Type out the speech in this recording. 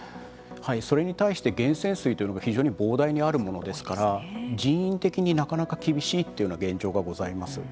それに対して源泉水というのが非常に膨大にあるものですから人員的になかなか厳しいというような現状がございます。